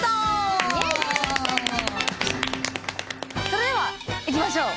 それではいきましょう。